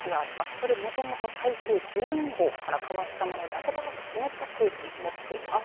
これもともと台風１２号から変わったもので暖かく湿った空気持っています。